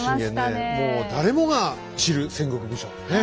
もう誰もが知る戦国武将ねえ。